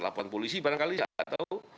laporan polisi barangkali saya nggak tahu